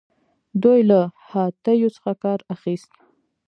دوی له هاتیو څخه کار اخیست